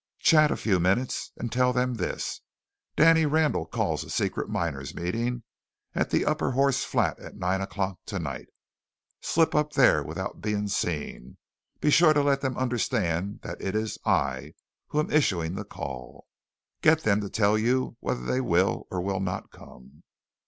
Chat a few minutes and tell them this: 'Danny Randall calls a secret miners' meeting at the upper horse flat at nine o'clock to night. Slip up there without being seen.' Be sure to let them understand that it is I who am issuing the call. Get them to tell you whether they will or will not come."